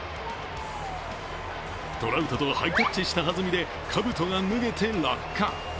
トラウトとハイタッチしたはずみで、かぶとが脱げて落下。